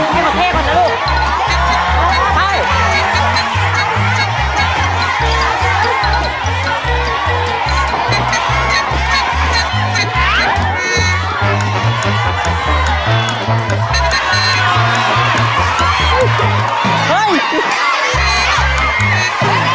ให้ขอไปก่อนนะ